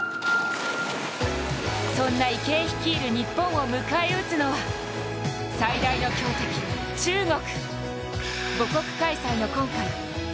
そんな池江率いる日本を迎え撃つのは最大の強敵・中国。